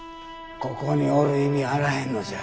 ここにおる意味あらへんのじゃ。